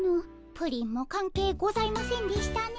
プリンも関係ございませんでしたね。